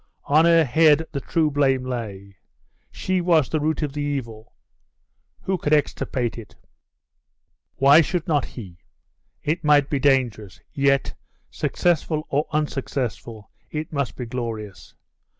On her head the true blame lay. She was the root of the evil. Who would extirpate it?.... Why should not he? It might be dangerous; yet, successful or unsuccessful, it must be glorious.